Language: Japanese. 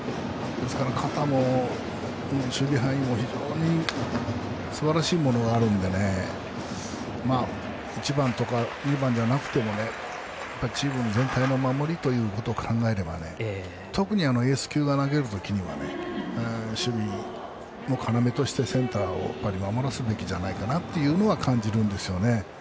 肩も守備範囲も非常にすばらしいものはあるので１番とか２番じゃなくてもチーム全体の守りということを考えれば特にエース級が投げるときには守備の要としてセンターを守らせるべきじゃないかなというのは感じるんですよね。